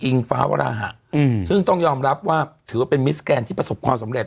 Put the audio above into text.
ฟ้าวราหะซึ่งต้องยอมรับว่าถือว่าเป็นมิสแกนที่ประสบความสำเร็